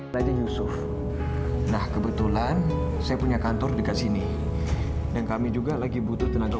baja yusuf nah kebetulan saya punya kantor dekat sini dan kami juga lagi butuh tenaga